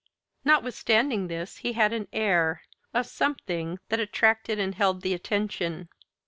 Notwithstanding this he had an air a something that attracted and held the attention.